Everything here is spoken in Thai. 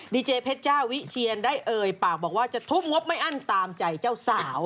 ดีเจเพชรเจ้าวิเชียนได้เอ่ยปากบอกว่าจะทุ่มงบไม่อั้นตามใจเจ้าสาว